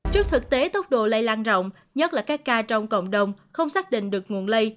trước thực tế tốc độ lây lan rộng nhất là các ca trong cộng đồng không xác định được nguồn lây